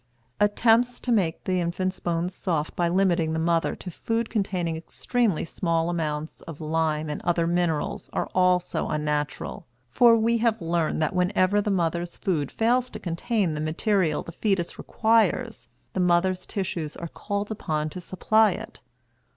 Attempts to make the infant's bones soft by limiting the mother to food containing extremely small amounts of lime and other minerals are also unnatural, for we have learned that whenever the mother's food fails to contain the material the fetus requires the mother's tissues are called upon to supply it.